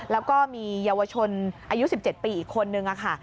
แล้วก็มีเยาวชนอายุ๑๗ปีอีกคนนึงค่ะ